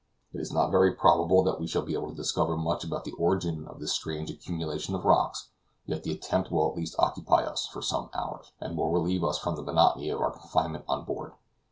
It is not very probable that we shall be able to discover much about the origin of this strange accumulation of rocks, yet the attempt will at least occupy us for some hours, and will relieve us from the monotony of our confinement on board.